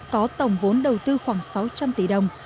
có tổng vốn đầu tư khoảng sáu trăm linh tỷ đồng